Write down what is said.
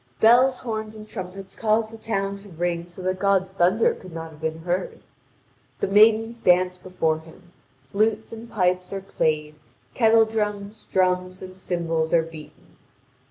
Bells, horns, and trumpets cause the town to ring so that God's thunder could not have been heard. The maidens dance before him, flutes and pipes are played, kettle drums, drums, and cymbals are beaten.